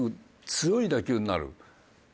速い打球になる。